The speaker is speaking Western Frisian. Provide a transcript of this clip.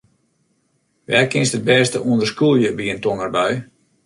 Wêr kinst it bêste ûnder skûlje by in tongerbui?